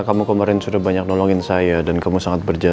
kamu baik baik aja